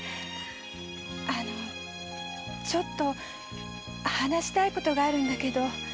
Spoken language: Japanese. あのちょっと話したいことがあるんだけど。